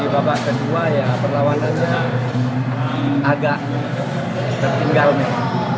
di babak kedua ya perlawanannya agak tertinggal nih